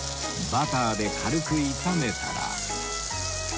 バターで軽く炒めたら